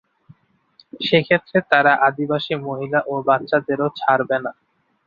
সেক্ষেত্রে তারা আদিবাসী মহিলা এবং বাচ্চাদেরও ছাড়বে না।